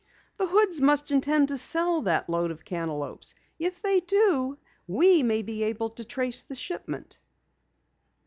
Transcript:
"The Hoods must intend to sell that load of cantaloupes. If they do, we may be able to trace the shipment."